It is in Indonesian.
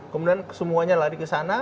kemudian semuanya lari ke sana